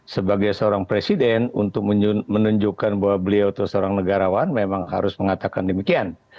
sebagai seorang presiden untuk menunjukkan bahwa beliau itu seorang negarawan memang harus mengatakan demikian